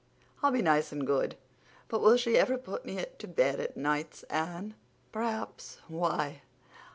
"I'll be nice and good. But will she ever put me to bed at nights, Anne?" "Perhaps. Why?"